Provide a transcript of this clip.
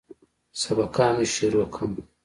سبقان مې شروع کم.